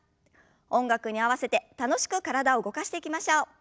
音楽に合わせて楽しく体を動かしていきましょう。